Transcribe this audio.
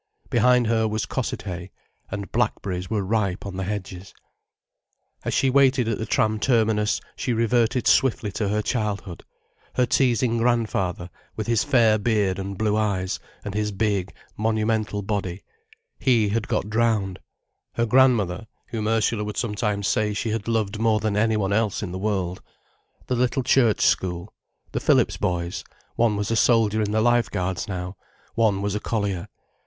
Behind her was Cossethay, and blackberries were ripe on the hedges. As she waited at the tram terminus she reverted swiftly to her childhood; her teasing grandfather, with his fair beard and blue eyes, and his big, monumental body; he had got drowned: her grandmother, whom Ursula would sometimes say she had loved more than anyone else in the world: the little church school, the Phillips boys; one was a soldier in the Life Guards now, one was a collier.